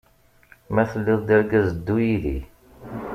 Ma teliḍ d-argaz ddu yidi.